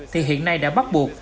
thì hiện nay đã bắt buộc